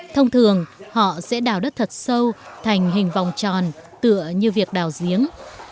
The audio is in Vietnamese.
thông thường họ sẽ đào đất thật sâu thành hình vòng tròn tựa như việc đào giếng